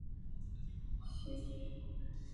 斯凯勒县是美国伊利诺伊州西部的一个县。